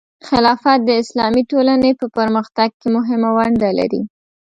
خلافت د اسلامي ټولنې په پرمختګ کې مهمه ونډه لري.